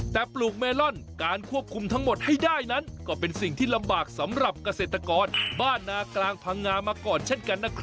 แต่ปลูกเมลอนการควบคุมทั้งหมดให้ได้นั้นก็เป็นสิ่งที่ลำบากสำหรับเกษตรกรบ้านนากลางพังงามาก่อนเช่นกันนะครับ